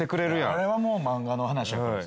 あれはもう漫画の話やからさ。